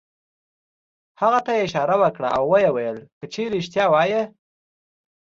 هغه ته یې اشاره وکړه او ویې ویل: که چېرې رېښتیا وایې.